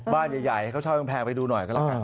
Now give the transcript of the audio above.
บ้านใหญ่เขาเช่ากำแพงไปดูหน่อยก็แล้วกัน